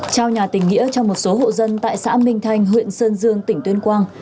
trao nhà tình nghĩa cho một số hộ dân tại xã minh thành huyện sơn dương tỉnh tuyên quang